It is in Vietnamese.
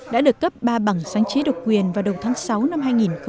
đã được cấp ba bảng sáng chế độc quyền vào đầu tháng sáu năm hai nghìn một mươi chín